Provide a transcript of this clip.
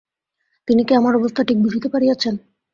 তিনি কি আমার অবস্থা ঠিক বুঝিতে পারিয়াছেন?